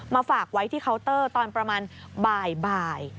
ฝากไว้ที่เคาน์เตอร์ตอนประมาณบ่าย